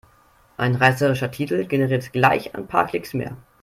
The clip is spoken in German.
Ein reißerischer Titel generiert gleich ein paar Klicks mehr.